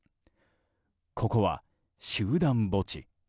ここは、集団墓地。